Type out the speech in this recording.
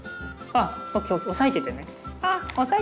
ＯＫ押さえててね。